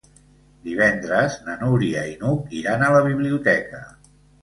Divendres na Núria i n'Hug iran a la biblioteca.